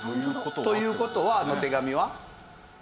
という事はあの手紙は？